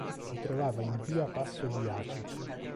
Si trovava in via Passo di Aci.